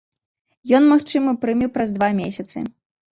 Ён, магчыма, прыме праз два месяцы.